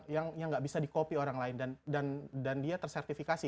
yang nggak bisa dikopi orang lain dan dia tersertifikasi